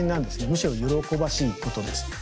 むしろ喜ばしいことです。